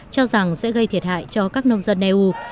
cho rằng sẽ gây thiệt hại cho các nông dân eu